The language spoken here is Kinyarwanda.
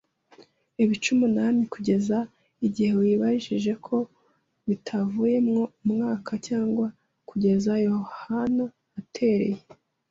Ibice umunani! ” kugeza igihe wibajije ko bitavuyemo umwuka, cyangwa kugeza Yohana atereye